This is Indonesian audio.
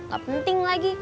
gak penting lagi